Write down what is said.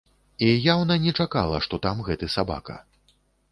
І яўна не чакала, што там гэты сабака.